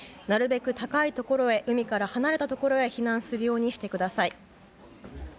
なるべく高いところへ海から離れたところへ避難するようにしてください。